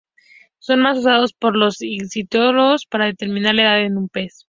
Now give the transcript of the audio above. Son usados por los ictiólogos para determinar la edad de un pez.